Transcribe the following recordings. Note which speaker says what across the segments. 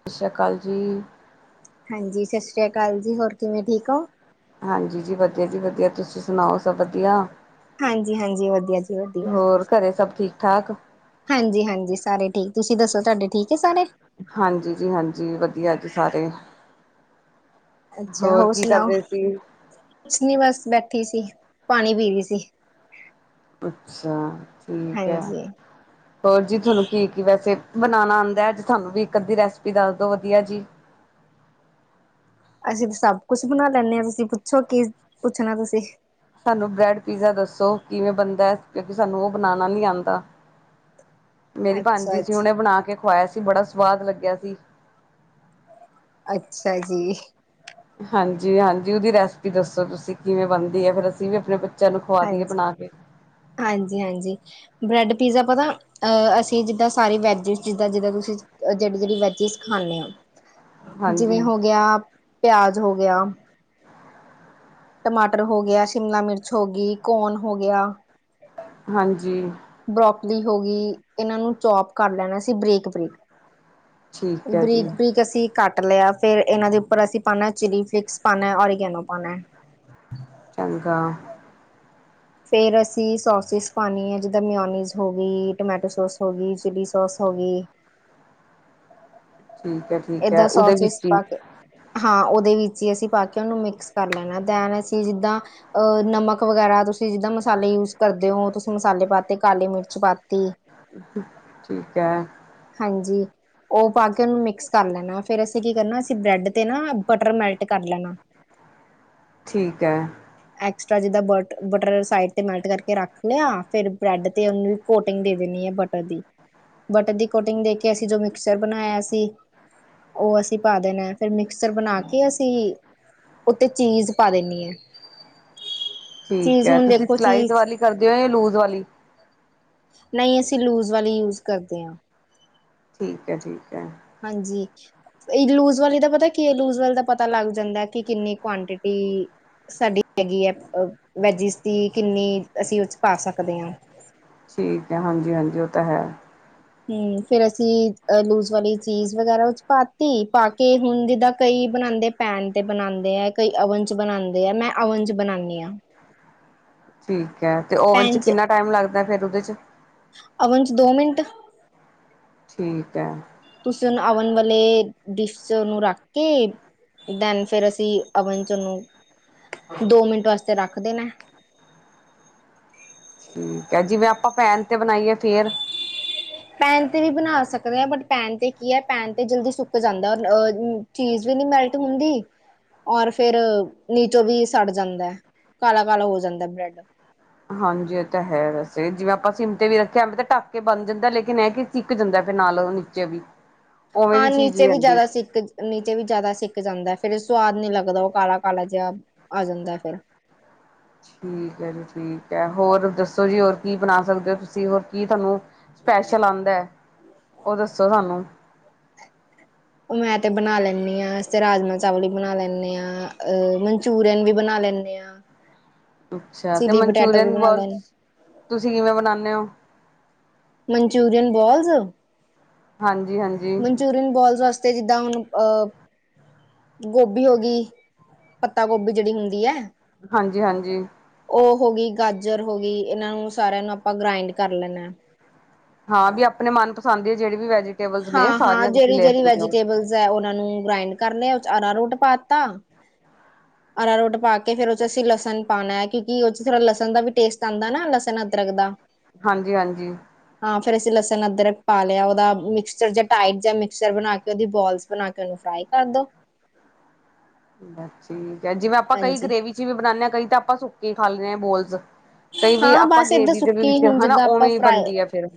Speaker 1: ਸਤਿ ਸ਼੍ਰੀ ਅਕਾਲ ਜੀ
Speaker 2: ਹਾਂਜੀ ਸਤਿ ਸ੍ਰੀ ਅਕਾਲ ਜੀ ਹੋਰ ਕਿਵੇਂ ਠੀਕ ਹੋ
Speaker 1: ਹਾਂਜੀ ਜੀ ਵਧੀਆ ਜੀ ਵਧੀਆ ਤੁਸੀਂ ਸੁਣਾਓ ਸਭ ਵਧੀਆ
Speaker 2: ਹਾਂਜੀ-ਹਾਂਜੀ ਵਧੀਆ ਜੀ ਵਧੀਆ।
Speaker 1: ਹੋਰ ਘਰੇ ਸਭ ਠੀਕ ਠਾਕ
Speaker 2: ਹਾਂਜੀ ਹਾਂਜੀ ਸਾਰੇ ਠੀਕ ਤੁਸੀਂ ਦੱਸੋ ਤੁਹਾਡੇ ਠੀਕ ਹੈ ਸਾਰੇ
Speaker 1: ਹਾਂਜੀ ਜੀ ਹਾਂਜੀ ਵਧੀਆ ਜੀ ਸਾਰੇ ਹੋਰ ਕੀ ਕਰਦੇ ਸੀ
Speaker 2: ਕੁੱਛ ਨੀ ਬਸ ਬੈਠੀ ਸੀ ਪਾਣੀ ਪੀ ਰਹੀ ਸੀ
Speaker 1: ਅੱਛਾ ਠੀਕ ਹੈ
Speaker 2: ਹਾਂਜੀ
Speaker 1: ਹੋਰ ਜੀ ਤੁਹਾਨੂੰ ਕੀ ਕੀ ਵੈਸੇ ਬਣਾਣਾ ਆਂਦਾ ਹੈ ਜੇ ਤੁਹਾਨੂੰ ਵੀ ਇੱਕ ਅੱਧੀ ਰੈਸਪੀ ਦੱਸ ਦੋ ਵਧੀਆ ਜੀ।
Speaker 2: ਅਸੀਂ ਸਭ ਕੁੱਛ ਬਣਾ ਲੈਂਣੇ ਹਾਂ ਤੁਸੀਂ ਪੁੱਛੋ ਕੀ ਪੁੱਛਣਾ ਤੁਸੀਂ
Speaker 1: ਸਾਨੂੰ ਬ੍ਰੈਡ ਪੀਜ਼ਾ ਦੱਸੋ ਕਿਵੇਂ ਬਣਦਾ ਕਿਉਂਕਿ ਸਾਨੂੰ ਉਹ ਬਣਾਣਾ ਨੀ ਆਂਦਾ। ਮੇਰੀ ਭਾਣਜੀ ਸੀ ਉਹਨੇ
Speaker 2: ਅੱਛਾ-ਅੱਛਾ-ਅੱਛਾ
Speaker 1: ਬਣਾ ਕੇ ਖਵਾਇਆ ਸੀ ਬੜਾ ਸਵਾਦ ਲੱਗਿਆ ਸੀ।
Speaker 2: ਅੱਛਾ ਜੀ।
Speaker 1: ਹਾਂਜੀ -ਹਾਂਜੀ ਉਹਦੀ ਰੈਸਪੀ ਦੱਸੋ ਤੁਸੀਂ ਕਿਵੇਂ ਬਣਦੀ ਹੈ ਫਿਰ ਅਸੀਂ ਵੀ ਆਪਣੇ ਬੱਚੇ ਬੱਚਿਆਂ ਨੂੰ ਖਵਾ ਦੀਈਏ ਬਣਾ ਕੇ।
Speaker 2: ਹਾਂਜੀ- ਹਾਂਜੀ ਬ੍ਰੈਡ ਪੀਜ਼ਾ ਪਤਾ ਅਹ ਅਸੀਂ ਜਿੱਦਾਂ ਸਾਰੇ ਵੈਜਿਸ ਜਿੱਦਾਂ -ਜਿੱਦਾਂ ਤੁਸੀਂ ਜਿਹੜੀ -ਜਿਹੜੀ ਵੈਜਿਸ ਖਾਂਦੇ ਹੋ। ਜਿਵੇਂ
Speaker 1: ਹਾਂਜੀ
Speaker 2: ਹੋ ਗਿਆ ਪਿਆਜ ਹੋ ਗਿਆ। ਟਮਾਟਰ ਹੋ ਗਿਆ, ਸ਼ਿਮਲਾ ਮਿਰਚ ਹੋ ਗਈ ਕੋਨ ਹੋ ਗਿਆ।
Speaker 1: ਹਾਂਜੀ
Speaker 2: ਬਰੋਕਲੀ ਹੋ ਗਈ ਇਹਨਾਂ ਨੂੰ ਚੋਪ ਕਰ ਲੈਣਾ ਸੀ ਬਰੀਕ -ਬਰੀਕ
Speaker 1: ਠੀਕ ਹੈ ਜੀ
Speaker 2: ਬਰੀਕ -ਬਰੀਕ ਅਸੀਂ ਕੱਟ ਲਿਆ ਫਿਰ ਇਹਨਾਂ ਦੇ ਉੱਪਰ ਅਸੀਂ ਪਾਣਾ ਚਿੱਲੀ ਫਿਲੇਕਸ ਪਾਣਾ ਔਰੀਗਨੋ ਪਾਣਾ।
Speaker 1: ਚੰਗਾ
Speaker 2: ਫਿਰ ਅਸੀਂ ਸੋਸਿਸ ਪਾਣੀ ਹੈ ਜਿੱਦਾਂ ਮਿਓਨੀਜ਼ ਹੋ ਗਈ ਟਮੈਟੋ ਸੋਸ ਹੋ ਗਈ ਚਿੱਲੀ ਸੋਸ ਹੋ ਗਈ।
Speaker 1: ਠੀਕ ਹੈ -ਠੀਕ ਹੈ
Speaker 2: ਏਦਾਂ
Speaker 1: ਉਹਦੇ
Speaker 2: ਸੋਸਿਸ
Speaker 1: ਵਿੱਚ ਹੀ
Speaker 2: ਪਾ ਕੇ ਹਾਂ ਉਹਦੇ ਵਿੱਚ ਹੀ ਅਸੀਂ ਪਾ ਕੇ ਉਹਨੂੰ ਮਿਕਸ ਕਰ ਲੈਣਾ ਤਾਂ ਵੀ ਅਸੀਂ ਜਿੱਦਾਂ ਅਹ ਨਮਕ ਵਗ਼ੈਰਾ ਤੁਸੀਂ ਜਿੱਦਾਂ ਮਸਾਲੇ ਯੂਜ ਕਰਦੇ ਹੋ ਤੁਸੀਂ ਮਸਾਲੇ ਪਾਤੇ ਕਾਲੇ ਮਿਰਚ ਪਾਤੀ।
Speaker 1: ਠੀਕ ਹੈ।
Speaker 2: ਹਾਂਜੀ ਉਹ ਪਾ ਕੇ ਉਹਨੂੰ ਮਿਕਸ ਕਰ ਲੈਣਾ ਫਿਰ ਅਸੀਂ ਕੀ ਕਰਨਾ ਅਸੀਂ ਬ੍ਰੈਡ ਤੇ ਨਾ ਬਟਰ ਮੈਲਟ ਕਰ ਲੈਣਾ।
Speaker 1: ਠੀਕ ਹੈ।
Speaker 2: ਐਕਸਟਰਾ ਜਿੱਦਾਂ ਬ ਬਟਰ ਸਾਈਡ ਤੇ ਮੈਲਟ ਕਰਕੇ ਰੱਖ ਲਿਆ ਫਿਰ ਬ੍ਰੈਡ ਤੇ ਉਹਨੂੰ ਕੋਟਿੰਗ ਦੇ ਦੇਣੀ ਹੈ ਬਟਰ ਦੀ ਬਟਰ ਦੀ ਕੋਟਿੰਗ ਦੇ ਕੇ ਅਸੀਂ ਜੋ ਮਿਕਚਰ ਬਣਾਇਆ ਸੀ। ਉਹ ਅਸੀਂ ਪਾ ਦੇਣਾ ਫਿਰ ਮਿਕਸਰ ਬਣਾ ਕੇ ਅਸੀਂ ਉਤੇ ਚੀਜ਼ ਪਾ ਦੇਂਣੀ ਏ।
Speaker 1: ਠੀਕ ਹੈ ਤੁਸੀਂ
Speaker 2: ਦੇਖੋ
Speaker 1: ਸਿਲਾਈਜ਼
Speaker 2: ਚੀਜ਼
Speaker 1: ਵਾਲੀ ਕਰਦੇ ਹੋ ਜਾਂ ਲੂਜ਼ ਵਾਲੀ
Speaker 2: ਨਹੀਂ ਅਸੀਂ ਲੂਜ਼ ਵਾਲੇ ਯੂਜ ਕਰਦੇ ਆਂ।
Speaker 1: ਠੀਕ ਹੈ ਠੀਕ ਹੈ।
Speaker 2: ਹਾਂਜੀ ਲੂਜ ਵਾਲੀ ਦਾ ਪਤਾ ਕੀ ਹੈ ਲੂਜ ਵਾਲੇ ਦਾ ਪਤਾ ਲੱਗ ਜਾਂਦਾ ਕਿ ਕਿੰਨੀ ਕੁਆਂਟਿਟੀ ਸਾਡੀ ਹੈਗੀ ਹੈ ਵੈਜਿਸ ਦੀ ਕਿੰਨੀ ਅਸੀਂ ਉਹ ਪਾ ਸਕਦੇ ਹਾਂ।
Speaker 1: ਠੀਕ ਹੈ ਹਾਂਜੀ- ਹਾਂਜੀ ਉਹ ਤੇ ਹੈ।
Speaker 2: ਹੂੰ ਫੇਰ ਅਸੀਂ ਅ ਲੂਜ ਵਾਲੀ ਚੀਜ਼ ਵਗੈਰਾ ਵਿੱਚ ਪਾਤੀ ਪਾ ਕੇ ਹੁਣ ਜਿੱਦਾਂ ਕਈ ਬਣਾਂਦੇ ਪੈਨ ਤੇ ਬਣਾਂਦੇ ਹੈ ਕਈ ਅਵਨ -ਚ ਬਣਾਂਦੇ ਹੈ ਮੈਂ ਅਵਨ 'ਚ ਬਣਾਣੀ ਆਂ।
Speaker 1: ਠੀਕ ਹੈ ਤੇ ਓਵਨ 'ਚ ਕਿੰਨਾ ਟਾਈਮ ਲੱਗਦਾ ਫਿਰ ਉਹਦੇ 'ਚ
Speaker 2: ਅਵਨ 'ਚ ਦੋ ਮਿੰਟ
Speaker 1: ਠੀਕ ਹੈ।
Speaker 2: ਤੁਸੀਂ ਉਹਨੂੰ ਅਵਣ ਵਾਲੇ ਡਿਸ 'ਚ ਉਹਨੂੰ ਰੱਖ ਕੇ ਦੈਨ ਫਿਰ ਅਸੀਂ ਅਵਨ 'ਚ ਉਹਨੂੰ ਦੋ ਮਿੰਟ ਵਾਸਤੇ ਰੱਖ ਦੇਣਾ।
Speaker 1: ਠੀਕ ਹੈ ਜਿਵੇਂ ਆਪਾਂ ਪੈਨ ਤੇ ਬਣਾਈਏ ਫੇਰ
Speaker 2: ਪੈਨ ਤੇ ਵੀ ਬਣਾ ਸਕਦੇ ਹਾਂ ਬਟ ਪੈਨ ਤੇ ਕੀ ਹੈ ਪੈਨ ਤੇ ਜਲਦੀ ਸੁੱਕ ਜਾਂਦਾ ਅਹ ਚੀਜ਼ ਵੀ ਨੀ ਮੈਲਟ ਹੁੰਦੀ। ਔਰ ਫੇਰ ਨੀਚੋਂ ਵੀ ਸੜ ਜਾਂਦਾ ਕਾਲਾ- ਕਾਲਾ ਹੋ ਜਾਂਦਾ ਬ੍ਰੈਡ
Speaker 1: ਹਾਂਜੀ ਇਹ ਤਾਂ ਹੈ ਵੈਸੇ ਜਿਵੇਂ ਆਪਾਂ ਸਿਮ ਤੇ ਵੀ ਰੱਖਿਆ ਵੇ ਤਾਂ ਢੱਕ ਕੇ ਬਣ ਜਾਂਦਾ ਲੇਕਿਨ ਇਹ ਕਿ ਛਿੱਕ ਜਾਂਦਾ ਫਿਰ ਨਾਲ ਨੀਚੇ ਵੀ ਉਵੇਂ ਦੀ
Speaker 2: ਹਾਂ
Speaker 1: ਚੀਜ਼
Speaker 2: ਨੀਚੇ ਵੀ
Speaker 1: ਰਹਿੰਦੀ
Speaker 2: ਜ਼ਿਆਦਾ ਛਿੱਕ ਨੀਚੇ ਵੀ ਜ਼ਿਆਦਾ ਸਿੱਕ ਜਾਂਦਾ, ਫੇਰ ਸਵਾਦ ਨੀ ਲੱਗਦਾ, ਉਹ ਕਾਲਾ-ਕਾਲਾ ਜਿਹਾ ਆ ਜਾਂਦਾ ਫਿਰ।
Speaker 1: ਠੀਕ ਹੈ ਜੀ ਠੀਕ ਹੈ, ਹੋਰ ਦੱਸੋ? ਜੀ ਹੋਰ ਕੀ ਬਣਾ ਸਕਦੇ ਹੋ ਤੁਸੀਂ ਹੋਰ ਕੀ ਤੁਹਾਨੂੰ ਸਪੈਸ਼ਲ ਆਦਾ ਹੈ, ਉਹ ਦੱਸੋ ਤੁਾਨੂੰ
Speaker 2: ਮੈਂ ਤੇ ਬਣਾ ਲੈਂਦੀ ਹਾਂ ਤੇ ਰਾਜਮਾਂ ਚਾਵਲ ਵੀ ਬਣਾ ਲੈਂਦੇ ਹਾਂ, ਅ ਮਨਚੂਰੀਅਨ ਵੀ ਬਣਾ ਲੈਂਦੇ ਹਾਂ। [unintelligible]
Speaker 1: ਅੱਛਾ ਤੇ
Speaker 2: ਚਿਲੀ ਪਟੈਟੋ ਵੀ
Speaker 1: ਮਨਚੂਰੀਅਨ ਬ,
Speaker 2: ਬਣਾ ਲੈਣ
Speaker 1: ਤੁਸੀਂ ਕਿਵੇਂ ਬਣਾਉਦੇ ਹੋ?
Speaker 2: ਮਨਚੂਰੀਅਨ ਬੋਲਸ
Speaker 1: ਹਾਂਜੀ-ਹਾਂਜੀ,
Speaker 2: ਮਨਚੂਰੀਅਨ ਬੋਲਸ ਵਾਸਤੇ ਜਿੱਦਾਂ ਹੁਣ ਅ ਗੋਭੀ ਹੋ ਗਈ, ਪੱਤਾ ਗੋਭੀ ਜਿਹੜੀ ਹੁੰਦੀ ਹੈ।
Speaker 1: ਹਾਂਜੀ-ਹਾਂਜੀ,
Speaker 2: ਉਹ ਹੋ ਗਈ ਗਾਜਰ ਹੋ ਗਈ, ਇਹਨਾਂ ਨੂੰ ਸਾਰਿਆਂ ਨੂੰ ਆਪਾਂ ਗ੍ਰਾਇੰਡ ਕਰ ਲੈਣਾ ਹੈ।
Speaker 1: ਹਾਂ ਵੀ ਆਪਣੇ ਮਨਪਸੰਦ ਹੈ, ਜਿਹੜੇ ਵੀ ਵੈਜ।
Speaker 2: ਹਾਂ-ਹਾਂ, ਜਿਹੜੀ ਜਿਹੜੀ ਵੈਜੀਟੇਬਲਸ ਹੈ, ਉਹਨਾ ਨੂੰ ਗ੍ਰੇਡ ਕਰ ਲਿਆ, ਅਰਾ ਰੋਟ ਪਾਤਾ।
Speaker 1: [unintelligible]
Speaker 2: ਆਰਾ ਰੋਟ ਪਾ ਕੇ ਫਿਰ ਉਹ ਚ ਅਸੀਂ ਲਸਣ ਪਾਣਾ, ਕਿਉਂਕਿ ਉਹ ਚ ਥੋੜਾ ਲਸਣ ਦਾ ਵੀ ਟੇਸਟ ਆਦਾ ਨਾ ਲਸਣ ਅਦਰਕ ਦਾ।
Speaker 1: ਹਾਂਜੀ, ਹਾਂਜੀ।
Speaker 2: ਹਾਂ, ਫੇਰ ਅਸੀਂ ਲਸਣ ਅਦਰਕ ਪਾ ਲਿਆ ਉਹਦਾ। ਜਾਂ ਮਿਕਸਰ ਬਣਾ ਕੇ ਉਹਦੀ ਬੋਲਸ ਬਣਾ ਕੇ, ਉਹਨੂੰ ਫਰਾਈ ਕਰ ਦੋ।
Speaker 1: ਠੀਕ ਹੈ ਜਿਵੇਂ, ਆਪਾਂ ਕਈ
Speaker 2: ਹਾਂਜੀ
Speaker 1: ਗ੍ਰੇਵੀ ਚ ਵੀ ਬਣਾਨੇ ਹਾਂ, ਕਈ ਤਾਂ ਆਪਾਂ ਸੁੱਕੇ ਖਾ ਲਦੇ ਹਾਂ ਬੋਲਸ। ਕਈ ਵੀ
Speaker 2: ਹਾਂ
Speaker 1: ਆਪਾਂ
Speaker 2: ਬਸ
Speaker 1: ਗੇ
Speaker 2: ਏਦਾਂ
Speaker 1: ਦੀ ਦੇ ਵੀ
Speaker 2: ਸੁੱਕੀ
Speaker 1: ਵਿੱਚ
Speaker 2: ਹੁਣ
Speaker 1: ਹਨਾ
Speaker 2: ਜਿੱਦਾਂ ਆਪਾਂ
Speaker 1: ਉਵੇਂ
Speaker 2: ਫਰਾਈ
Speaker 1: ਬਣਦੀ ਹੈ, ਫੇਰ।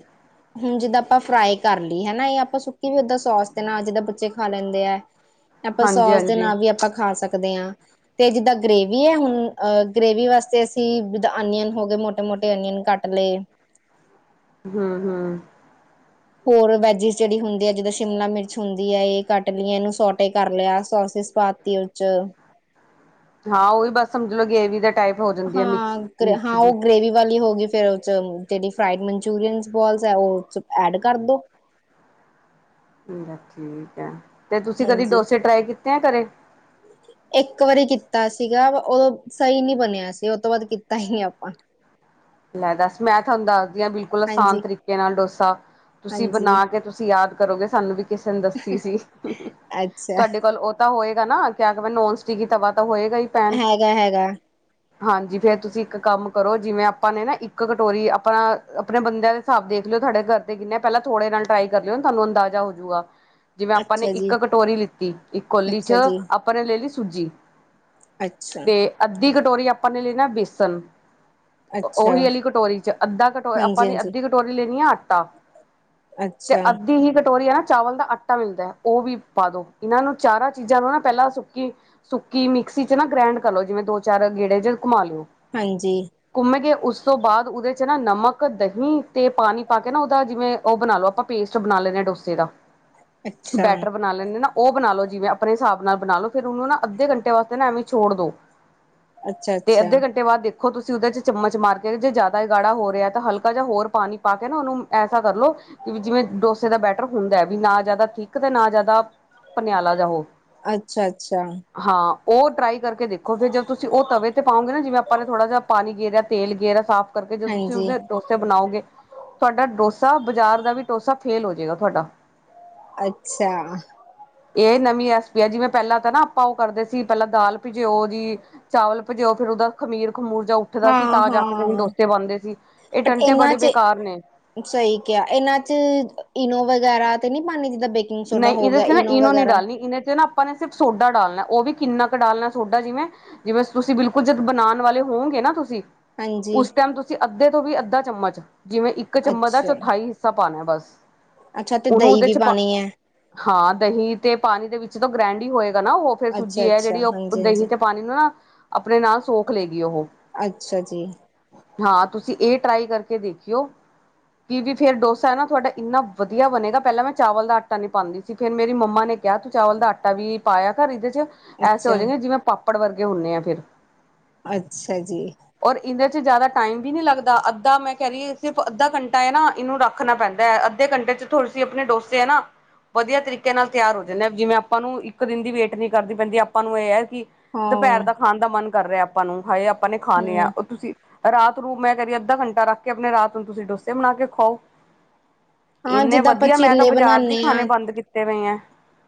Speaker 2: ਹੁਣ ਜਿੱਦਾਂ ਆਪਾਂ ਫਰਾਈ ਕਰ ਲਈ ਹਨਾ, ਆਪਾਂ ਸੁੱਕੀ ਵੀ ਓਦਾਂ ਸੋਸ ਦੇ ਨਾਲ ਜਿੱਦਾਂ ਬੱਚੇ ਖਾ ਲੈਂਦੇ ਆ।
Speaker 1: ਹੈ ਨਾ। [inaudible]
Speaker 2: ਆਪਾਂ ਸੋਸ ਦੇ ਨਾਲ ਵੀ ਆਪਾਂ ਖਾ ਸਕਦੇ ਹਾਂ, ਤੇ ਜਿੱਦਾਂ ਗ੍ਰਰੇਵੀ ਹੈ ਹੁਣ ਅ ਗ੍ਰੇਵੀ ਵਾਸਤੇ ਅਸੀਂ ਆਨੀਅਨ ਹੋ ਗਏ ਮੋਟੇ-ਮੋਟੇ ਅਨੀਅਨ ਕੱਟ ਲਏ।
Speaker 1: ਹੂੰ-ਹੂੰ,
Speaker 2: ਹੋਰ ਵੈਜਿਸ ਜਿਹੜੀ ਹੁੰਦੀ ਹੈ, ਜਿੱਦਾਂ ਸ਼ਿਮਲਾ ਮਿਰਚ ਹੁੰਦੀ ਹੈ, ਇਹ ਕੱਟ ਲਈਏ, ਇਹਨੂੰ ਸੋਟੇ ਕਰ ਲਿਆ ਸੋਸ ਪਾਤ [unintelligible]
Speaker 1: ਹਾਂ ਉਹੀ ਬਸ ਸਮਝ ਲੋਓ ਗ੍ਰੇਵੀ ਵੀ ਦਾ, ਟਾਈਪ ਹੋ ਜਾਂਦੀ ਹੈ
Speaker 2: ਹਾਂ
Speaker 1: ਮਿਕਸ ਮਿਕਸ ਜੀ
Speaker 2: ਉਹ ਗ੍ਰੇਵੀ ਵਾਲੀ ਹੋ ਗਈ ਫੇਰ ਜਿਹੜੀ ਫਰਾਡ ਮਨਚੂਰੀਅਨ ਬਲਸ ਉਹ ਐਡ ਕਰ ਦੋ
Speaker 1: ਠੀਕ ਹੈ, ਤੇ ਤੁਸੀਂ ਕਦੀ
Speaker 2: ਹਾਂਜੀ
Speaker 1: ਡੋਸੇ ਟਰਾਈ ਕੀਤੇ ਆ ਘਰੇ।
Speaker 2: ਇੱਕ ਵਾਰੀ ਕੀਤਾ ਸੀਗਾ, ਉਦੋਂ ਸਹੀ ਨਹੀਂੀ ਬਣਿਆ ਸੀ, ਉਹ ਤੋਂ ਬਾਅਦ ਕੀਤਾ ਹੀ ਆਪਾਂ [unintelligible]
Speaker 1: ਲੈ ਦੱਸ ਮੈਂ ਤੁਹਾਨੂੰ ਦੱਸਦੀ ਹਾਂ, ਬਿਲਕੁਲ ਆਸਾਨ
Speaker 2: ਹਾਂਜੀ
Speaker 1: ਤਰੀਕੇ ਨਾਲ ਡੋਸਾ ਤੁਸੀਂ
Speaker 2: ਹਾਂਜੀ
Speaker 1: ਬਣਾ ਕੇ ਤੁਸੀਂ ਯਾਦ। ਕਰੋਗੇ, ਸਾਨੂੰ ਵੀ ਕਿਸੇ ਨੇ ਦੱਸੀ ਸੀ
Speaker 2: ਅੱਛਾ
Speaker 1: ਤੁਹਾਡੇ ਕੋਲ ਤਾਂ ਹੋਏਗਾ, ਨਾ ਕਿਆ ਕ ਨੋਨ ਸਟਿਕ ਹੀ ਤਵਾ ਤਾਂ ਹੋਏਗਾ ਹੀ। ਪੈਨ
Speaker 2: ਹੈਗਾ, ਹੈਗਾ।
Speaker 1: ਹਾਂਜੀ, ਫੇਰ ਤੁਸੀਂ ਇੱਕ ਕੰਮ ਕਰੋ ਜਿਵੇਂ ਆਪਾਂ ਨੇ ਨਾ ਇੱਕ ਕਟੋਰੀ ਆਪਾਂਣਾ ਆਪਣੇ ਬੰਦਿਆਂ ਦੇ ਹਿਸਾਬ ਦੇਖ ਲਿਓ, ਤੁਹਾਡੇ ਘਰ ਤੇ ਕਿੰਨੇ ਪਹਿਲਾਂ ਥੋੜੇ ਨਾਲ ਟਰਾਈ ਕਰ ਲਿਓ, ਤੁਹਾਨੂੰ ਅੰਦਾਜ਼ਾ ਹੋਜੂਗਾ। ਜਿਵੇਂ ਆਪਾਂ ਨੇ
Speaker 2: ਅੱਛਾ ਜੀ
Speaker 1: ਇੱਕ ਕਟੋਰੀ ਲਿੱਤੀ ਇੱਕ ਕੋਲੀ
Speaker 2: ਅੱਛਾ
Speaker 1: ਚ
Speaker 2: ਜੀ
Speaker 1: ਆਪਾਂ ਨੇ ਲੈ ਲਈ ਸੂਜੀ
Speaker 2: ਅੱਛਾ
Speaker 1: ਤੇ ਅੱਧੀ ਕਟੋਰੀ ਆਪਾਂ ਨੇ ਲੈ ਨਾ ਬੇਸਣ
Speaker 2: ਅੱਛਾ
Speaker 1: ਉਹੀ ਅੀ ਕਟੋਰੀ ਚ ਅੱਧਾ ਕਟੋ ਆਪਾਂ
Speaker 2: ਹਾਂਜੀ
Speaker 1: ਨੇ
Speaker 2: ਹਾਂਜੀ
Speaker 1: ਅੱਧੀ ਕਟੋਰੀ ਲੈਣੀ ਆ ਆਟਾ। ਤੇ
Speaker 2: ਅੱਛਾ
Speaker 1: ਅੱਧੀ ਹੀ ਕਟੋਰੀ ਹੈ, ਨਾ ਚਾਵਲ ਆਟਾ ਆਟਾ ਮਿਲਦਾ, ਉਹ ਵੀ ਪਾ ਦੋ, ਇਹਨਾਂ ਨੂੰ ਚਾਰਾਂ ਚੀਜ਼ਾਂ ਨੂੰ ਨਾ ਪਹਿਲਾਂ ਸੁੱਕੀ। ਸੁੱਕੀ ਮਿਕਸੀ ਚ ਨਾ ਗ੍ਰੈਂਡ ਕਰ ਲੋ, ਜਿਵੇਂ ਦੋ ਚਾਰ ਗੇੜੇ ਜੇ ਘੁੰਮਾ ਲਿਓ।
Speaker 2: ਹਾਂਜੀ,
Speaker 1: ਘੁੰਮੇ ਗਏ, ਉਸ ਤੋਂ ਬਾਅਦ ਉਹਦੇ ਚ ਨਾ ਨਮਕ ਦਹੀਂ ਤੇ ਪਾਣੀ ਪਾ ਕੇ ਨਾ ਉਹਦਾ ਜਿਵੇਂ ਉਹ ਬਣਾ ਲਓ, ਆਪਾਂ ਪੇਸਟ ਬਣਾ ਲੈਂਦੇ ਆ ਡੋਸੇ ਦਾ
Speaker 2: ਅੱਛਾ
Speaker 1: ਬੈਟਰ ਬਣਾ ਲੈਂਦੇ ਨਾ ਉਹ ਬਣਾ ਲਓ ਜਿਵੇਂ ਆਪਣੇ ਹਿਸਾਬ ਨਾਲ ਬਣਾ ਲਓ। ਫਿਰ ਉਹਨੂੰ ਨਾ ਅੱਧੇ ਘੰਟੇ ਵਾਸਤੇ ਨਾ ਐਵੇਂ ਛੋੜ ਦੋ।
Speaker 2: ਅੱਛਾ ਅੱਛਾ
Speaker 1: ਤੇ ਅੱਧੇ ਘੰਟੇ ਬਾਅਦ ਦੇਖੋ ਤੁਸੀਂ ਉਹਦੇ ਚ ਚਮਚ ਮਾਰ ਕੇ ਜੇ ਜ਼ਿਆਦਾ ਗਾੜਾ ਹੋ ਰਿਹਾ ਤਾਂ ਹਲਕਾ ਜਾਂ ਹੋਰ ਪਾਣੀ ਪਾ ਕੇ ਨਾ ਉਹਨੂੰ ਐਸਾ ਕਰਲੋ ਕਿ ਜਿਵੇਂ ਡੋਸੇ ਦਾ ਬੈਟਰ ਹੁੰਦਾ ਵੀ ਨਾ ਜ਼ਿਆਦਾ ਥਿੱਕ ਤੇ ਨਾ ਜ਼ਿਆਦਾ ਪਨਿਆਲਾ ਜਾਂ ਉਹ
Speaker 2: ਅੱਛਾ-ਅੱਛਾ।
Speaker 1: ਹਾਂ ਉਹ ਟਰਾਈ ਕਰਕੇ ਦੇਖੋ ਫਿਰ‌ ਜਦ ਤੁਸੀਂ ਉਹ ਤਵੇ ਤੇ ਪਾਓਗੇ ਨਾ ਜਿਵੇਂ ਆਪਾਂ ਨੇ ਥੋੜਾ ਜਿਹਾ ਪਾਣੀ ਗੇਰ ਤੇਲ ਗੇਰਾ ਸਾਫ਼ ਕਰਕੇ ਜਦੋਂ ਤੁਸੀਂ
Speaker 2: ਹਾਂਜੀ
Speaker 1: ਉਹਦੇ ਡੋਸੇ ਬਣਾਓਗੇ ਤੁਹਾਡਾ ਡੋਸਾ ਬਾਜ਼ਾਰ ਦਾ ਵੀ ਡੋਸਾ ਫੇਲ ਹੋਜੇਗਾ ਤੁਹਾਡਾ।
Speaker 2: ਅੱਛਾ।
Speaker 1: ਇਹ ਨਵੀਂ ਰੈਸਪੀ ਆ ਜਿਵੇਂ ਪਹਿਲਾਂ ਤਾਂ ਨਾ ਆਪਾਂ ਉਹ ਕਰਦੇ ਸੀ ਪਹਿਲਾਂ ਦਾਲ ਭਿਜਿਓ ਜੀ। ਚਾਵਲ ਭਿਜਾਓ ਫਿਰ ਉਹਦਾ ਖਮੀਰ-ਖਮੂਰ ਜਾਂ ਉੱਠਦਾ ਸੀ
Speaker 2: ਹਾਂ
Speaker 1: ਤਾਂ ਜਾ ਕੇ ਸਹੀ
Speaker 2: ਹਾਂ
Speaker 1: ਡੋਸੇ ਬਣਦੇ ਸੀ ਇਹ
Speaker 2: ਬਟ
Speaker 1: ਟੰਟੇ
Speaker 2: ਇਹਨਾਂ
Speaker 1: ਬੜੇ
Speaker 2: ਚ
Speaker 1: ਬੇਕਾਰ ਨੇ-
Speaker 2: ਸਹੀ ਕਿਹਾ ਇਹਨਾਂ ਚ ਇਨੋ ਵਗੈਰਾ ਤੇ ਨੀ ਪਾਣੀ ਜਿੱਦਾਂ ਬੇਕਿੰ
Speaker 1: ਨਹੀਂ ਇਹਦੇ ਚ ਨਾ ਇਨੋ ਨਹੀਂ ਡਾਲਣੀ ਇਦੇ ਚ ਨਾ ਆਪਾਂ ਨੇ ਸਿਰਫ ਸੋਡਾ ਡਾਲਣਾ ਉਹ ਵੀ ਕਿੰਨਾ ਕੁ ਡਾਲਣਾ ਸੋਡਾ ਜਿਵੇਂ ਜਿਵੇਂ ਤੁਸੀਂ ਬਿਲਕੁੱਲ ਜਦ ਬਣਾਣ ਵਾਲੇ ਹੋਗੇ ਨਾ ਤੁਸੀਂ
Speaker 2: ਹਾਂਜੀ
Speaker 1: ਉਸ ਟਾਈਮ ਤੁਸੀਂ ਅੱਧੇ ਤੋਂ ਵੀ ਅੱਧਾ ਚਮਚ ਜਿਵੇਂ ਇੱਕ ਚਮ ਦਾ
Speaker 2: ਅੱਛਾ
Speaker 1: ਚੌਥਾਈ ਹਿ ਸਾ ਪਾਣਾ ਬਸ
Speaker 2: ਅੱਛਾ ਤੇ
Speaker 1: ਉਹਨੂੰ
Speaker 2: ਦਹੀਂ
Speaker 1: ਉਹਦੇ
Speaker 2: ਵੀ
Speaker 1: ਚ ਪਾ
Speaker 2: ਪਾਣੀ ਹੈ
Speaker 1: ਹਾਂ ਦਹੀਂ ਤੇ ਪਾਣੀ ਦੇ ਵਿੱਚ ਤਾਂ ਗ੍ਰੈਂਡ ਹੀ ਹੋਏਗਾ ਨਾ ਉਹ ਫੇਰ
Speaker 2: ਅੱਛਾ
Speaker 1: ਸੂਜੀ ਹੈ
Speaker 2: ਅੱਛਾ
Speaker 1: ਜਿਹੜੀ ਉਹ
Speaker 2: ਹਾਂਜੀ ਹਾਂਜੀ
Speaker 1: ਦਹੀਂ ਤੇ ਪਾਣੀ ਨੂੰ ਨਾ ਆਪਣੇ ਨਾਲ ਸੋਖ ਲਏਗੀ ਉਹ
Speaker 2: ਅੱਛਾ ਜੀ।
Speaker 1: ਹਾਂ ਤੁਸੀਂ ਇਹ ਟਰਾਈ ਕਰਕੇ ਦੇਖਿਓ। ਕੀ ਵੀ ਫੇਰ ਡੋਸਾ ਹੈ ਨਾ ਤੁਹਾਡਾ ਇੰਨਾ ਵਧੀਆ ਬਣੇਗਾ ਪਹਿਲਾਂ ਮੈਂ ਚਾਵਲ ਦਾ ਆਟਾ ਨੀ ਪਾਦੀ ਸੀ ਫੇਿਰ ਮੇਰੀ ਮੰਮਾ ਨੇ ਕਿਹਾ ਤੂੰ ਚਾਵਲ ਦਾ ਆਟਾ ਵੀ ਪਾਇਆ ਕਰ ਇਹਦੇ ਚ ਐਸੇ ਹੋ
Speaker 2: ਅੱਛਾ
Speaker 1: ਜਾਏਗੇ ਜਿਵੇਂ ਪਾਪ ੜ ਵਰਗੇ ਹੁੰਣੇ ਆ ਫੇਰ
Speaker 2: ਅੱਛਾ ਜੀ।
Speaker 1: ਔਰ ਇਹਦੇ ਚ ਜ਼ਿਆਦਾ ਟਾਈਮ ਵੀ ਨੀ ਲੱਗਦਾ ਅੱਧਾ ਮੈਂ ਕਹਿ ਰਹੀ ਸਿਰਫ ਅੱਧਾ ਘੰਟਾ ਹੈ ਨਾ ਇਹਨੂੰ ਰੱਖ ਖਣਾ ਪੈਂਦਾ ਹੈ ਅੱਧੇ ਘੰਟੇ ਚ ਥੋੜੇ ਤੁਸੀ ਆਪਣੇ ਡੋਸੇ ਏ ਨਾ ਵਧੀਆ ਤਰੀਕੇ ਨਾਲ ਤਿਆਰ ਹੋ ਜਾਂਦੇ ਜਿਵੇਂ ਆਪਾਂ ਨੂੰ ਇੱਕ ਦਿਨ ਦੀ ਵੇਟ ਨਹੀਂ ਕਰਦੀ ਪੈਂਦੀ ਆਪਾਂ ਨੂੰ ਇਹ ਹੈ ਕਿ
Speaker 2: ਹਾਂ
Speaker 1: ਦੁਪਹਿਰ ਦਾ ਖਾਣ ਦਾ ਮਨ ਕਰ ਰਿਹਾ ਆਪਾਂ ਨੂੰ ਹਾਏ ਆਪਾਂ ਨੇ ਖਾਣੇ
Speaker 2: ਹਮ
Speaker 1: ਆ ਉਹ ਤੁਸੀਂ ਰਾਤ ਨੂੰ ਮੈਂ ਕਹਿ ਰਹੀ ਅੱਧਾ ਘੰਟਾ ਰੱਖ ਕੇ ਆਪਣੇ ਰਾਤ ਨੂੰ ਤੁਸੀਂ ਡੋਸੇ ਬਣਾ ਕੇ ਖਾਓ।
Speaker 2: ਹਾਂ
Speaker 1: ਇੰਨੇ
Speaker 2: ਜਿੱਦਾਂ ਆਪਾਂ
Speaker 1: ਵਧੀਆ ਮੈਂ ਤਾਂ
Speaker 2: ਚੀਲੇ
Speaker 1: ਬਾਜ਼ਾਰ ਦੇ
Speaker 2: ਬਣਾਉਦੇ
Speaker 1: ਖਾਣੇ
Speaker 2: ਹਾਂ
Speaker 1: ਬੰਦ ਕੀਤੇ ਪਏ ਐ।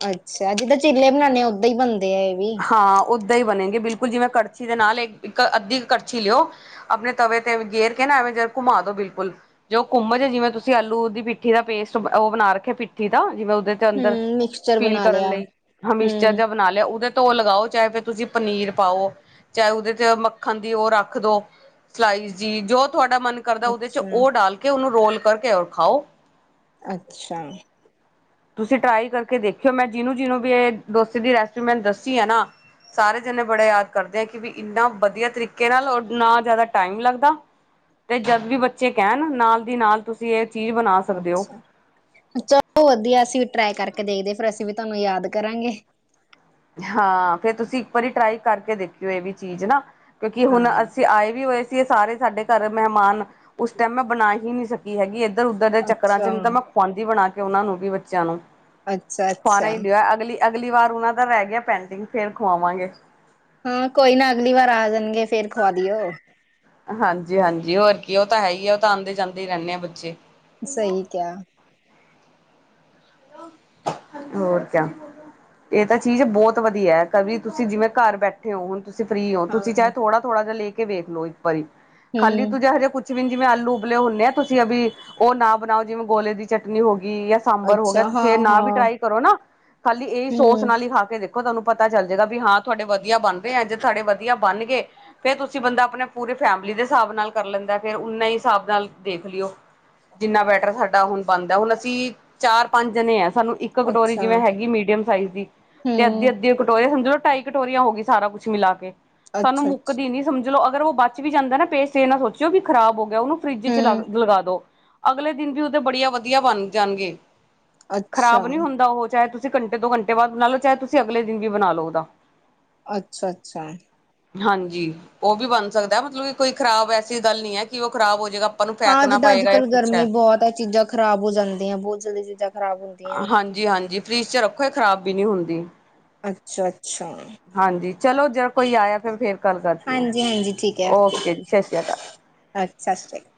Speaker 2: ਅੱਛਾ ਜਿੱਦਾਂ ਚਿੱਲੇ ਬਣਾਣੇ ਆ ਉਦਾਂ ਹੀ ਬਣਦੇ ਆ ਇਹ ਵੀ।
Speaker 1: ਹਾਂ ਓਦਾਂ ਹੀ ਬਣੇਗੀ ਬਿਲਕੁੱਲ ਜਿਵੇਂ ਕੜਛੀ ਦੇ ਨਾਲ ਇੱਕ ਅੱਧੀ ਕੜਛੀ ਲਿਓ ਆਪਣੇ ਤਵੇ ਤੇ ਗੇਰ ਕੇਹ ਨਾ ਐਵੇਂ ਜ ਘੁਮਾ ਦੋ ਬਿਲਕੁੱਲ। ਜੋ ਘੁੰਮਜ ਜਿਵੇਂ ਤੁਸੀਂ ਆਲੂ ਦੀ ਪਿੱਠੀ ਦਾ ਪੇਸਟ ਉਹ ਬਣਾ ਰੱਖੇ ਪਿੱਠੀ ਦਾ ਜਿਵੇਂ ਉਹਦੇ ਅੰਦਰ
Speaker 2: ਹਮ ਮਿਕਸਚਰ
Speaker 1: ਫੀਲ
Speaker 2: ਬਣਾ
Speaker 1: ਕਰਨ
Speaker 2: ਲਿਆ
Speaker 1: ਲਈ ਹਮਿਕਸਰ
Speaker 2: ਹਮ
Speaker 1: ਜਿਹਾ ਬਣਾ ਲਿਆ ਉਹਦੇ ਧੋ ਲਗਾਓ ਚਾਹੇ ਫਿਰ ਤੁਸੀਂ ਪਨੀਰ ਪਾਓ ਚਾਹੇ ਉਹਦੇ ਚ ਮੱਖਣ ਦੀ ਉਹ ਰੱਖ ਦੰ ਸਲਾਈਸ ਜੀ ਜੋ ਤੁਹਾਡਾ ਮਨ ਕਰਦਾ ਉਹਦੇ ਚ
Speaker 2: ਅੱਛਾ
Speaker 1: ਉਹ ਡਾਲ ਕੇ ਉਹਨੂੰ ਰੋਲ ਕਰਕੇ ਔਰ ਖਾਓ।
Speaker 2: ਅੱਛਾ।
Speaker 1: ਤੁਸੀਂ ਟਰਾਈ ਕਰਕੇ ਦੇਖਿਓ ਮੈਂ ਜਿਹਨੂੰ-ਜਿਹਨੂੰ ਵੀ ਇਹ ਡੋਸੇ ਦੀ ਰੈਸਿਪੀ ਮੈਂ ਦੱਸੀ ਏ ਨਾ। ਸਾਰੇ ਜਣੇ ਬੜੇ ਯਾਦ ਕਰਦੇ ਆ ਕਿ ਵੀ ਇੰਨਾ ਵਧੀਆ ਤਰੀਕੇ ਨਾਲ ਔਰ ਨਾ ਜ਼ਿਆਦਾ ਟਾਈਮ ਲੱਗਦਾ। ਤੇ ਜਦ ਵੀ ਬੱਚੇ ਕਹਿਣ ਨਾਲ ਦੀ ਨਾਲ ਤੁਸੀਂ ਇਹ ਚੀਜ਼ ਬਣਾ ਸਕਦੇ ਹੋ
Speaker 2: ਅੱਛਾ ਚਲੋ ਵਧੀਆ ਅਸੀਂ ਟਰਾਈ ਕਰਕੇ ਦੇਖਦੇ ਫਿਰ ਅਸੀਂ ਵੀ ਤੁਹਾਨੂੰ ਯਾਦ ਕਰਾਂਗੇ।
Speaker 1: ਹਾਂ ਫੇਰ ਤੁਸੀਂ ਇੱਕ ਵਾਰੀ ਟਰਾਈ ਕਰਕੇ ਦੇਖਿਓ ਇਹ ਵੀ ਚੀਜ਼ ਨਾ। ਕਿਉਂਕਿ ਹੁਣ
Speaker 2: ਹਾਂ
Speaker 1: ਅਸੀਂ ਆਏ ਵੀ ਹੋਏ ਸੀ ਸਾਰੇ ਸਾਡੇ ਘਰ ਮਹਿਮਾਨ ਉਸ ਟਾਈਮ ਮੈਂ ਬਣਾ ਹੀ ਨਹੀਂ ਸਕ ਕੀ ਹੈਗੀ ਇੱਧਰ-ਉੱਧਰ ਦੇ ਚੱਕਰਾਂ ਚ
Speaker 2: ਅੱਛਾ
Speaker 1: ਨਹੀਂ ਤਾਂ ਮੈਂ ਖੁਆਂਦੀ ਬਣਾ ਕੇ ਉਹਨਾ ਨੂੰ ਵੀ ਬੱਚਿਆਂ ਨੂੰ
Speaker 2: ਅੱਛਾ
Speaker 1: ਖਵਾਣਾ
Speaker 2: ਅੱਛਾ
Speaker 1: ਹੀ ਸੀਗਾ ਅਗਲੀ ਅਗਲੀ ਵਾਰ ਉਹਨਾਂ ਦਾ ਰਹਿ ਗਿਆ ਪੈਂਡਿੰਗ ਫੇਰ ਖਵਾਵਾਂਗੇ।
Speaker 2: ਹਾਂ ਕੋਈ ਨਾ ਅਗਲੀ ਵਾਰ ਆ ਜਾਣਗੇ ਫੇਰ ਖਵਾ ਦਿਓ।
Speaker 1: ਹਾਂਜੀ-ਹਾਂਜੀ ਹੋਰ ਕੀ ਉਹ ਤਾਂ ਹੈ ਹੀ ਆ ਉਹ ਤਾਂ ਆਂਦੇ-ਜਾਂਦੇ ਹੀ ਰਹਿੰਦੇ ਆ ਬੱਚੇ।
Speaker 2: ਸਹੀ ਕਿਹਾ
Speaker 1: ਹੋਰ ਕਿਆ ਇਹ ਤਾਂ ਚੀਜ਼ ਬਹੁਤ ਵਧੀਆ ਹੈ ਕਵੀ ਤੁਸੀਂ ਜਿਵੇਂ ਘਰ ਬੈਠੇ ਹੋਣ ਤੁਸੀਂ ਫਰੀ ਹੋ
Speaker 2: ਹਾਂ
Speaker 1: ਤੁਸੀਂ ਚਾਹੇ ਥੋੜਾ ਥੋੜਾ ਜਿ ਲੈ ਕੇ ਵੇਖ ਲੋ ਇੱਕ ਵਾਰੀ ਖਾਲੀ
Speaker 2: ਹੂੰ
Speaker 1: ਤੂੰ ਜੋ ਜਿਹਾ ਕੁ ਜਿਵੇਂ ਜਿਵੇਂ ਆਲੂ ਉਬਲੇ ਹੁੰਨੇ ਆ ਤੁਸੀਂ ਅਭੀ ਉਹ ਨਾ ਬਣਾਓ ਜਿਵੇਂ ਗੋਲੇ ਦੀ ਚਟਨੀ ਹੋ ਗਈ ਜਾਂ ਸਾਂਬਰ ਹੋ ਗਿਆ
Speaker 2: ਅੱਛਾ
Speaker 1: ਤੁਸੀਂ
Speaker 2: ਹਾਂ
Speaker 1: ਇਹ ਨਾ ਵੀ
Speaker 2: ਹਾਂ
Speaker 1: ਟਰਾਈ ਕਰੋ ਨਾ ਖਾਲੀ ਇਹਹੀ ਸੋਸ
Speaker 2: ਹੂੰ
Speaker 1: ਨਾਲ ਹੀ ਖਾ ਕੇ ਦੇਖੋ ਉਹ ਤੁਹਾਨੂੰ ਪਤਾ ਚੱਲ ਜਾਏਗਾ ਵੀ ਹਾਂ ਤੁਹਾਡੇ ਵਧੀਆ ਬਣਰਹੇ ਜੇ ਤੁਹਾਡੇ ਵਧੀਆ ਬਣ ਗਏ ਫੇਰ ਤੁਸੀਂ ਬੰਦਾ ਆਪਣੇ ਪੂਰੇ ਫੈਮਿਲੀ ਦੇ ਹਿਸਾਬ ਨਾਲ ਕਰ ਲੈਂਦਾ ਫੇਿਰ ਉਨੇ ਹਿਸਾਬ ਨਾਲ ਦੇਖ ਲਿਓ ਜਿੰਨਾ ਬੈਟਰ ਸਾਡਾ ਹੁਣ ਬੰਦਾ ਹੁਣ ਅਸੀਂ ਚਾਰ ਪੰਜ ਜਾਣੇ ਨੇ ਹੈ ਸਾਨੂੰ ਇੱਕ ਕਟੋਰੀ
Speaker 2: ਅੱਛਾ
Speaker 1: ਜਿਵੇਂ ਹੈਗੀ ਮੀਡੀਅਮ ਸਾਈਜ਼ ਦੀ ਤੇ ਅੱਧੀ
Speaker 2: ਹੂੰ
Speaker 1: ਅੱਧੀ ਕਟੋਰੇ ਸਮਜ਼ਲਓ ਟਾਈ ਕਟੋਰੀਆਂ ਹੋ ਗਿਆ ਸਾਰ ਕੁਛ ਮਿਲਾ ਕੇ ਸਾਨੂੰ
Speaker 2: ਅੱਛਾ ਅੱਛਾ
Speaker 1: ਮੁੱਕਦੀ ਨੀ ਸਮਝ ਲੋਓ ਅਗਰ ਉਹ ਬਚ ਵੀ ਜਾਂਦਾ ਨਾ ਪੇਇਸਟ ਇਹ ਨਾ ਸੋਚੋ ਜੋ ਵੀ ਖ਼ਰਾਬ ਹੋ ਗਿਆ ਉਹਨੂੰ ਫਰਿੱਜ ਚ
Speaker 2: ਹੂੰ
Speaker 1: ਲਗਾ ਦੋ ਅਗਲੇ ਦਿਨ ਵੀ ਉਹਦੇ ਬੜੀਆ ਵਧੀਆ ਬਣ ਜਾਣਗੇ
Speaker 2: ਅੱਛਾ
Speaker 1: ਖ਼ਰਬ ਨਹੀਂ ਹੁੰਦਾ ਉਹ ਚਾਹੇ ਤੁਸੀਂ ਘੰਟੇ ਦੋ ਘੰਟੇ ਬਾਅਦ ਬਣਾ ਲਓ ਚਾਹੇ ਤੁਸੀਂ ਅਗਲੇ ਦਿਨ ਵੀ ਬਣਾ ਲਓ ਉਹਦਾ
Speaker 2: ਅੱਛਾ ਅੱਛਾ
Speaker 1: ਹਾਂਜੀ ਉਹ ਵੀ ਬਣ ਸਕਦਾ ਮਤਲਬ ਇਹ ਕੋਈ ਖ਼ਰਾਬ ਐਸੀ ਗੱਲ ਨਹੀਂ ਹੈ ਕਿ ਉਹ ਖ਼ਰਾਬ ਹੋ ਜਾਏਗਾ ਨੂੰ
Speaker 2: ਹਾਂ
Speaker 1: ਫੈਕਣਾ
Speaker 2: ਜਿੱਦਾਂ ਅੱਜ
Speaker 1: ਪਏਗਾ ਜਾਂ
Speaker 2: ਕੱਲ੍ਹ
Speaker 1: ਕੁਛ
Speaker 2: ਗਰਮੀ ਬਹੁਤ ਹੈ ਚੀਜ਼ਾਂ ਖਰਾਬ ਹੋ ਜਾਂਦੀਆਂ ਬਹੁਤ ਜਲਦੀ ਚੀਜ਼ਾਂ ਖ਼ਰਾਬ ਹੁੰਦੀਆਂ
Speaker 1: ਹਾਂਜੀ ਹਾਂਜੀ ਫਰਿਜ ਚ ਰੱਖੋ ਖਰਾਬ ਵੀ ਨੀ ਹੁੰਦੀ
Speaker 2: ਅੱਛਾ ਅੱਛਾ
Speaker 1: ਹਾਂਜੀ ਚਲੋ ਜੇ ਕੋਈ ਆਇਆ ਫਿਰ ਫੇਰ ਗੱਲ ਕਰਦੀ ਹੈ
Speaker 2: ਹਾਂਜੀ ਹਾਂਜੀ
Speaker 1: ਓਕੇ ਜੀ ਸ਼੍ਰਿਆ ਅਕਾਲ
Speaker 2: ਹਾਂਜੀ ਸਤਿ ਸ਼੍ਰੀ ਅਕਾਲ